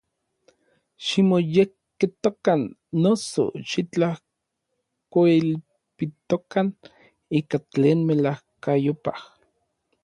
Ximoyekketokan, noso, xitlajkoilpitokan ika tlen melajkayopaj.